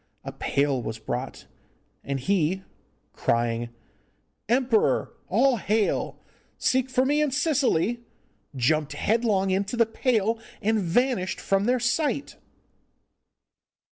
A pail was brought, and he, crying 'Emperor, all hail! seek for me in Sicily,' jumped headlong into the pail, and vanished from their sight.